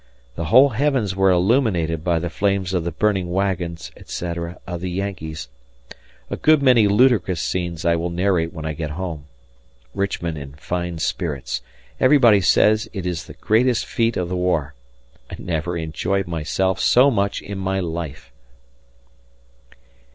... The whole heavens were illuminated by the flames of the burning wagons, etc. of the Yankees. A good many ludicrous scenes I will narrate when I get home. Richmond in fine spirits, everybody says it is the greatest feat of the war. I never enjoyed myself so much in my life.